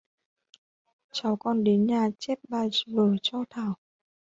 cháu còn đến nhà chép bài vở cho thảo